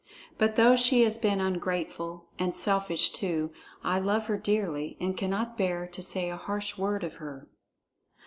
But though she has been ungrateful and selfish, too, I love her dearly and cannot bear to say a harsh word of her."